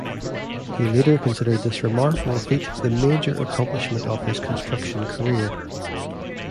He later considered this remarkable feat the major accomplishment of his construction career.